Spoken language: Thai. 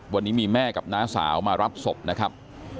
วันนี้มีแม่กับน้าสาวมารับศพนะครับ